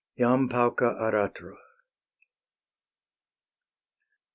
JAM PAUCA ARATRO.